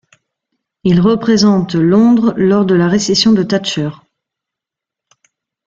Il représente Londres lors de la récession de Thatcher.